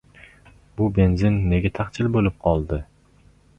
Bu benzin nega taqchil bo‘lib qoldi?